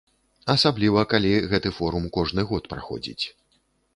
Асабліва калі гэты форум кожны год праходзіць.